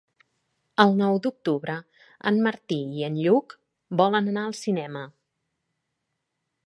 El nou d'octubre en Martí i en Lluc volen anar al cinema.